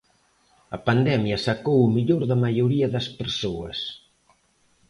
A pandemia sacou o mellor da maioría das persoas.